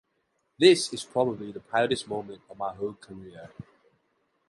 This is probably the proudest moment of my whole career.